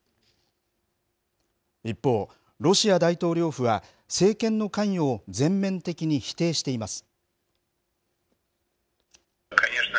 一方、ロシア大統領府は政権の関与を全面的に否定しています。